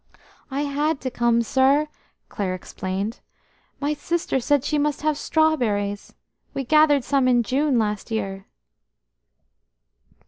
"I had to come, sir," Clare explained. "My sister said she must have strawberries. We gathered some in June last year."